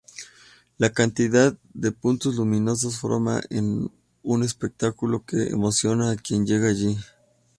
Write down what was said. La cantidad de puntos luminosos forma un espectáculo, que emociona a quien llega allí.